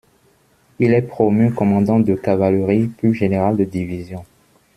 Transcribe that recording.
Il est promu commandant de cavalerie, puis général de division.